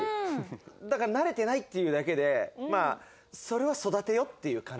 だから慣れてないっていうだけでそれは育てようっていう感じ。